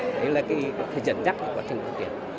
đấy là cái dẫn dắt của quá trình phát triển